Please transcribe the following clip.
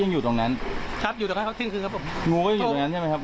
อยู่ตรงนั้นครับอยู่ตรงนั้นครับเที่ยงคืนครับผมงูก็ยังอยู่ตรงนั้นใช่ไหมครับ